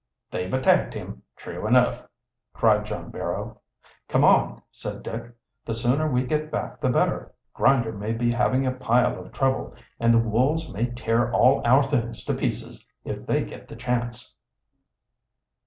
"They've attacked him, true enough!" cried John Barrow. "Come on," said Dick. "The sooner we get back the better. Grinder may be having a pile of trouble, and the wolves may tear all our things to pieces if they get the chance."